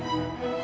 aku mau jalan